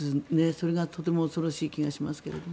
それがとても恐ろしい気がしますけれども。